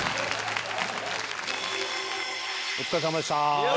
お疲れさまでした。